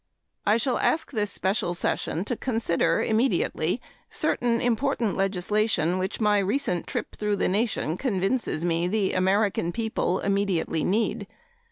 I shall ask this special session to consider immediately certain important legislation which my recent trip through the nation convinces me the American people immediately need.